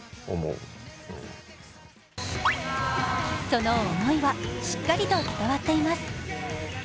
その思いはしっかりと伝わっています。